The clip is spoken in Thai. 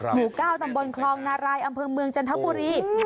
หมู่ก้าวดำบลคลองะมภัยอำเภิงเมืองจราหัวรี